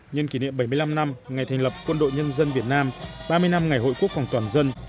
nhân kỷ niệm bảy mươi năm năm ngày thành lập quân đội nhân dân việt nam ba mươi năm ngày hội quốc phòng toàn dân